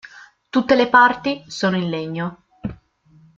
Tutte le parti sono in legno.